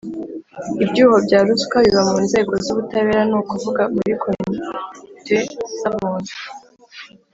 ibyuho bya ruswa biba mu nzego z ubutabera ni ukuvuga muri Komite z Abunzi